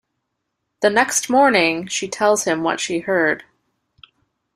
The next morning, she tells him what she heard.